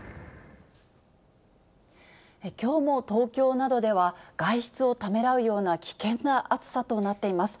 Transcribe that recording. きょうも東京などでは、外出をためらうような危険な暑さとなっています。